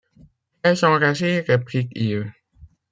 Quels enragés! reprit-il.